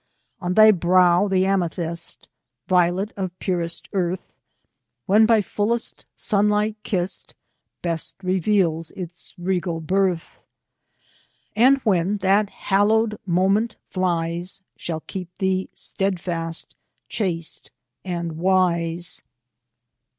• On thy brow, the amethyst, Violet of purest earth, When by fullest sunlight kiss'd, Best reveals its regal birth ; And when that haloed moment flies, Shall keep thee steadfast, chaste, and wise."